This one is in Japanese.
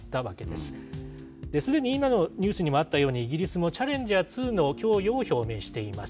すでに今のニュースにもあったように、イギリスもチャレンジャー２の供与を表明しています。